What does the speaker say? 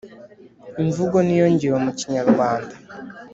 imvugo niyo ngiro mu Kinyarwanda